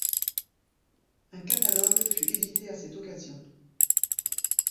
Un catalogue fut édité à cette occasion.